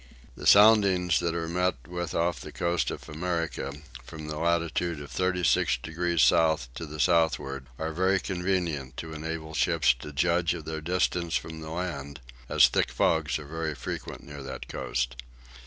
The soundings that are met with off the coast of America, from the latitude of 36 degrees south to the southward, are very convenient to enable ships to judge of their distance from the land, as thick fogs are very frequent near that coast.